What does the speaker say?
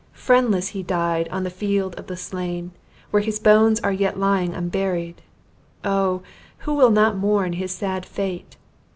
Friendless he died on the field of the slain, where his bones are yet lying unburied! Oh, who will not mourn his sad fate?